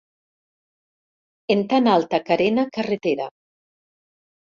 En tan alta carena, carretera.